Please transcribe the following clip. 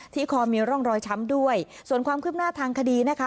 คอมีร่องรอยช้ำด้วยส่วนความคืบหน้าทางคดีนะคะ